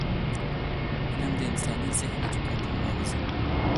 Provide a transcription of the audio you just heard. علم د انساني ذهن له چوکاټونه راووځي.